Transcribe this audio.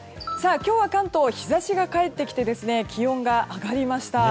今日は関東日差しが帰ってきて気温が上がりました。